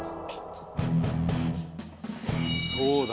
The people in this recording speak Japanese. そうだ。